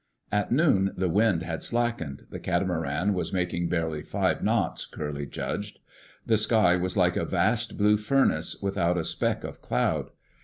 At noon the wind had slackened. The catamaran was making barely five knots, Curly judged. The sky was like a vast, blue furnace, without a speck of cloud.